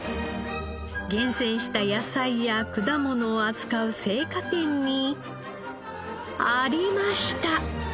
厳選した野菜や果物を扱う青果店にありました！